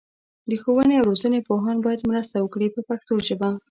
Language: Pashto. د ښوونې او روزنې پوهان باید مرسته وکړي په پښتو ژبه.